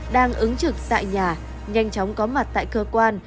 đang ứng trực tại nhà nhanh chóng có mặt tại cơ quan